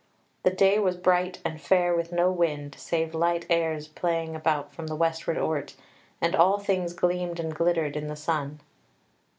The day was bright and fair with no wind, save light airs playing about from the westward ort, and all things gleamed and glittered in the sun.